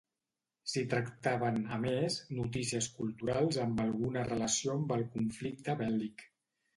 S'hi tractaven, a més, notícies culturals amb alguna relació amb el conflicte bèl·lic.